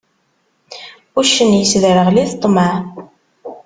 Uccen, yesderγel-it ṭṭmeε.